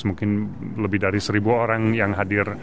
mungkin lebih dari seribu orang yang hadir